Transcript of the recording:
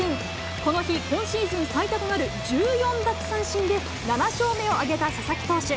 この日、今シーズン最多となる１４奪三振で７勝目を挙げた佐々木投手。